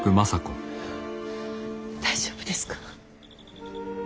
大丈夫ですか。